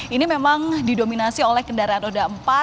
ini memang didominasi oleh kendaraan roda empat dengan plat nomor